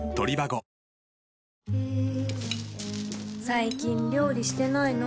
最近料理してないの？